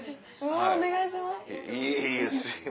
お願いします。